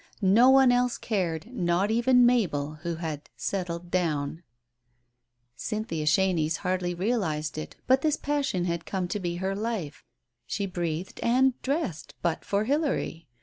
No one else cared, not even Mabel, who had "settled down." Cynthia Chenies hardly realized it, but this passion had come to be her life. She breathed and dressed but for Hilary.